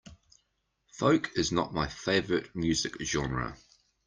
Folk is not my favorite music genre.